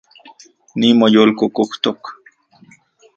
Nimoyolkokojtok